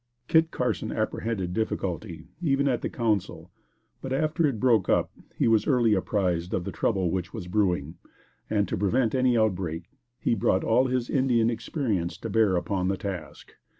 Kit Carson apprehended difficulty, even at the council; but, after it broke up, he was early apprised of the trouble which was brewing; and, to prevent any outbreak, he brought all his Indian experience to bear upon the task.